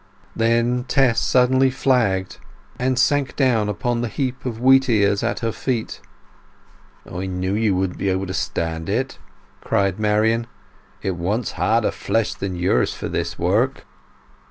Then Tess suddenly flagged, and sank down upon the heap of wheat ears at her feet. "I knew you wouldn't be able to stand it!" cried Marian. "It wants harder flesh than yours for this work."